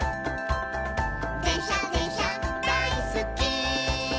「でんしゃでんしゃだいすっき」